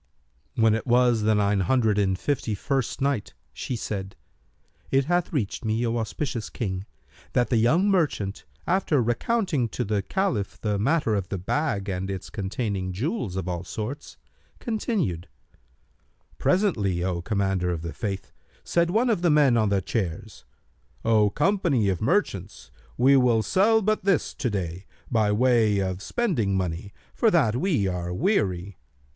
When it was the Nine Hundred and Fifty first Night, She said, It hath reached me, O auspicious King, that the young merchant, after recounting to the Caliph the matter of the bag and its containing jewels of all sorts, continued, "Presently, O Commander of the Faithful, said one of the men on the chairs, 'O company of merchants, we will sell but this to day, by way of spending money, for that we are weary.'